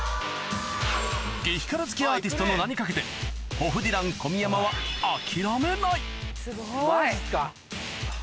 ・激辛好きアーティストの名に懸けてホフディラン・小宮山は諦めないマジか。